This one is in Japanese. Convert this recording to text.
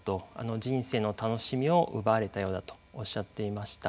人生の楽しみを奪われたようだとおっしゃっていました。